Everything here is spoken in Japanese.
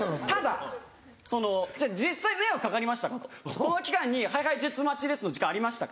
この期間に「ＨｉＨｉＪｅｔｓ待ちです」の時間ありましたか？